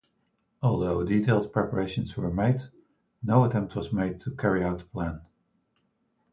Although detailed preparations were made, no attempt was made to carry out the plan.